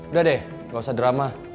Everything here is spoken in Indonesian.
udah deh gak usah drama